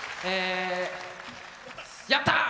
やったー！